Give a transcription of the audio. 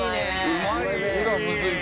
うまい！